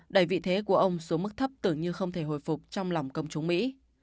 đẩy vị thế của ông xuống mức thấp tưởng như không thể hồi phục trong lòng công chúng mỹ